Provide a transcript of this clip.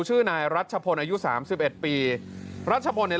ชื่อนายรัชพลอายุสามสิบเอ็ดปีรัชพลเนี่ย